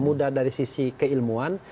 mudah dari sisi keilmuan